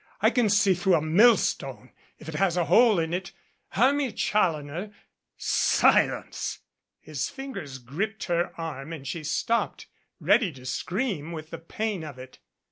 I can see through a millstone if it has a hole in it. Hermia Challoner " "Silence!" His fingers gripped her arm and she stopped, ready to scream with the pain of it.